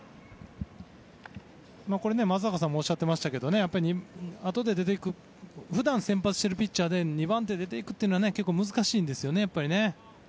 松坂さんもおっしゃってましたが普段先発しているピッチャーで２番手で出て行くというのは結構難しいんですよね。